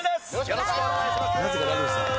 よろしくお願いします。